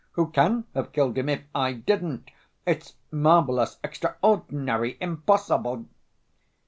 Who can have killed him if I didn't? It's marvelous, extraordinary, impossible."